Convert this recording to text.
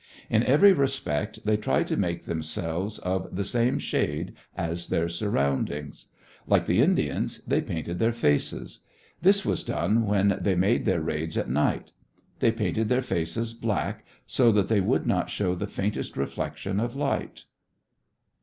In every respect, they tried to make themselves of the same shade as their surroundings. Like the Indians, they painted their faces. This was done when they made their raids at night. They painted their faces black so that they would not show the faintest reflection of light.